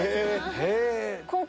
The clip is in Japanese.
へぇ！